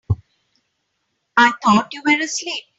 I thought you were asleep.